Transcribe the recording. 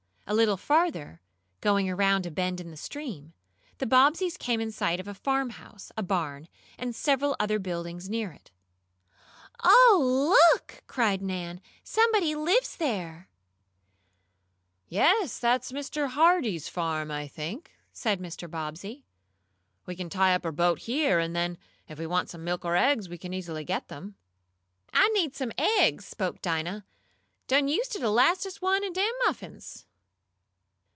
A little farther, going around a bend in the stream, the Bobbseys came in sight of a farmhouse, a barn and several other buildings near it. "Oh, look!" cried Nan. "Somebody lives there." "Yes, that's Mr. Hardee's farm, I think," said Mr. Bobbsey. "We can tie up our boat here, and then, if we want some milk or eggs, we can easily get them." "I needs some aigs," spoke Dinah. "Done used de lastest one in dem muffins."